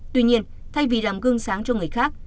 tuy nhiên thay vì làm gương sáng cho người khác